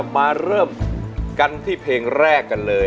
มาเริ่มกันที่เพลงแรกกันเลย